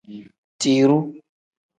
Tiruu.